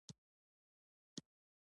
هیله انسان ژوندی ساتي.